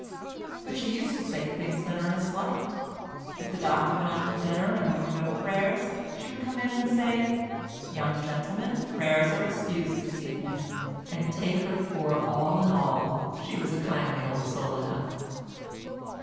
But she used to say things that Ernest liked. If the Doctor went out to dinner, and there were no prayers, she would come in and say, "Young gentlemen, prayers are excused this evening"; and, take her for all in all, she was a kindly old soul enough.